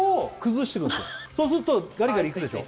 そうするとガリガリいくでしょ？